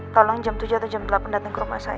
tolong jam tujuh atau jam delapan datang ke rumah saya